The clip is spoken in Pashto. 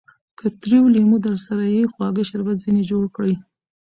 که تريو لېمو درسره يي؛ خواږه شربت ځني جوړ کړئ!